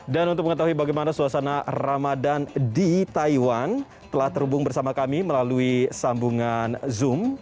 dan untuk mengetahui bagaimana suasana ramadan di taiwan telah terhubung bersama kami melalui sambungan zoom